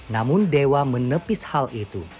namun dewa menepis hal itu